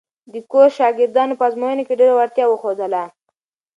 د کورس شاګردانو په ازموینو کې ډېره وړتیا وښودله.